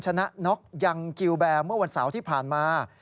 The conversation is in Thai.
ชนะน็อกยังกิลแบร์เมื่อวันเสาร์ที่ผ่านมา